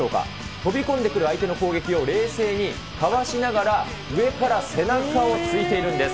飛び込んでくる相手の攻撃を冷静にかわしながら、上から背中を突いているんです。